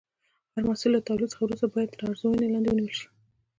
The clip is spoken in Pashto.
هر محصول له تولید څخه وروسته باید تر ارزونې لاندې ونیول شي.